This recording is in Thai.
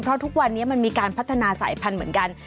เพราะทุกวันนี้มันมีการพัฒนาสายพันธุ์เหมือนกัน